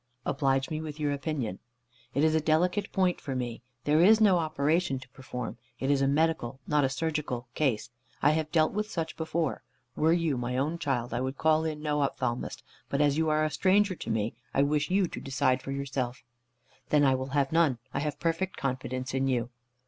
"Oblige me with your opinion." "It is a delicate point for me. There is no operation to perform. It is a medical, not a surgical case. I have dealt with such before. Were you my own child I would call in no ophthalmist, but as you are a stranger to me, I wish you to decide for yourself." "Then, I will have none. I have perfect confidence in you."